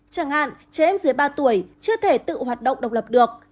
chẳng hạn trẻ em dưới ba tuổi chưa thể tự hoạt động độc lập được